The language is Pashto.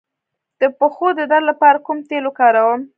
د پښو د درد لپاره کوم تېل وکاروم؟